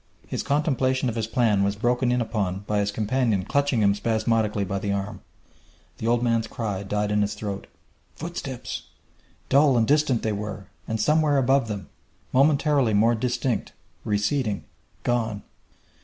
His contemplation of his plan was broken in upon by his companion clutching him spasmodically by the arm. The old man's cry died in his throat. Footsteps! Dull and distant they were, and somewhere above them momentarily more distinct receding gone!